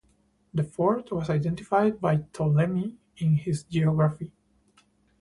The fort was identified by Ptolemy in his Geography.